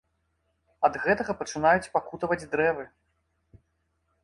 Ад гэтага пачынаюць пакутаваць дрэвы.